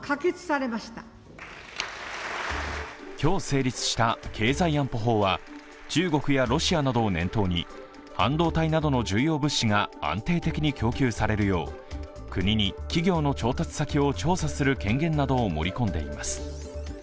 今日成立した経済安保法は中国やロシアなどを念頭に半導体などの重要物資が安定的に供給されるよう国に企業の調達先を調査する権限などを盛り込んでいます。